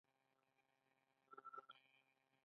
د میاشتنۍ ناروغۍ د ملا درد لپاره مساج وکړئ